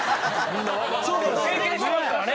経験してますからね。